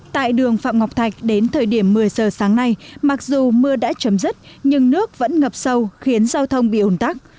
tại đường phạm ngọc thạch đến thời điểm một mươi giờ sáng nay mặc dù mưa đã chấm dứt nhưng nước vẫn ngập sâu khiến giao thông bị ủn tắc